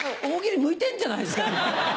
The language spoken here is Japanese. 大喜利向いてんじゃないですか？